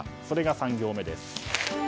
それが３行目です。